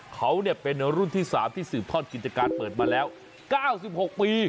เขาเป็นรุ่นที่๓ที่สืบทอดกิจการเปิดมาแล้ว๙๖ปี